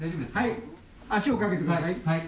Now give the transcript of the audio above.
足をかけてください。